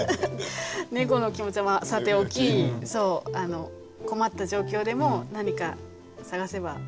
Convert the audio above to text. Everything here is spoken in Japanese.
猫の気持ちはまあさておき困った状況でも何か探せば。